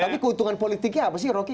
tapi keuntungan politiknya apa sih rocky